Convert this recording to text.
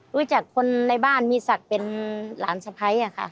รู้จักคนในบ้านมีศักดิ์เป็นหลานสะพ้ายค่ะ